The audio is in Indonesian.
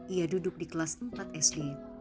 ia duduk di kelas empat sd